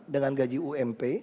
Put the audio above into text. dengan gaji ump